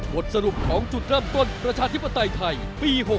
บทสรุปของจุดเริ่มต้นประชาธิปไตยไทยปี๖๖